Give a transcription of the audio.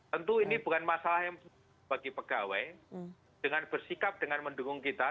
tentu ini bukan masalah yang bagi pegawai dengan bersikap dengan mendukung kita